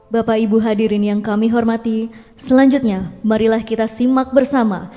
bapak ibu hadirin yang kami hormati selanjutnya marilah kita simak bersama